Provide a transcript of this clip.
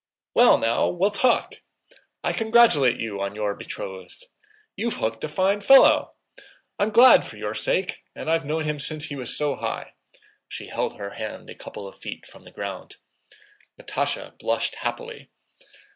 "Well, now we'll talk. I congratulate you on your betrothed. You've hooked a fine fellow! I am glad for your sake and I've known him since he was so high." She held her hand a couple of feet from the ground. Natásha blushed happily.